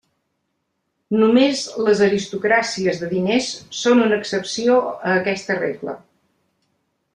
Només les aristocràcies de diners són una excepció a aquesta regla.